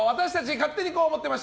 勝手にこう思ってました！